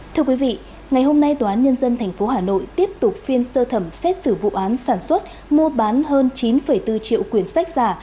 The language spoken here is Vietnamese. thưa quý vị ngày hôm nay tòa án nhân dân tp hà nội tiếp tục phiên sơ thẩm xét xử vụ án sản xuất mua bán hơn chín bốn triệu quyền sách giả